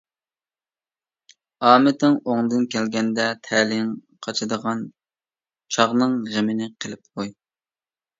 ئامىتىڭ ئوڭدىن كەلگەندە تەلىيىڭ قاچىدىغان چاغنىڭ غېمىنى قىلىپ قوي.